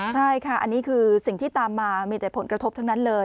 ใช่ค่ะอันนี้คือสิ่งที่ตามมามีแต่ผลกระทบทั้งนั้นเลย